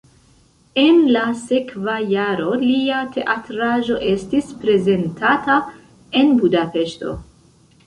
En la sekva jaro lia teatraĵo estis prezentata en Budapeŝto.